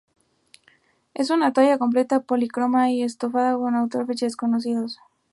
Es una talla completa policromada y estofada de autor y fecha desconocidos.